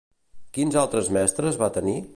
Quins altres mestres va tenir?